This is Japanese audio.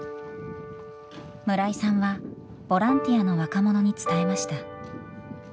村井さんはボランティアの若者に伝えました。